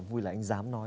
vui là anh dám nói